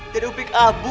jadi upik abu